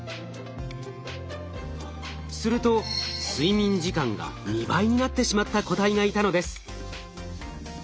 すると睡眠時間が２倍になってしまった個体がいたのです。